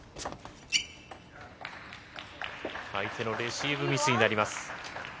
相手のレシーブミスになります。